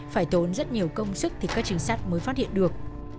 phải tốn rất nhiều công sức thì các trinh sát mới phát hiện được